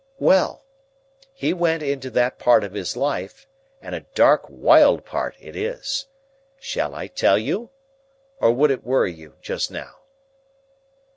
"Well! He went into that part of his life, and a dark wild part it is. Shall I tell you? Or would it worry you just now?"